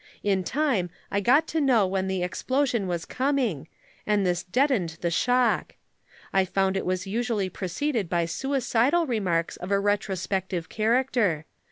In time I got to know when the explosion was coming, and this deadened the shock. I found it was usually preceded by suicidal remarks of a retrospective character.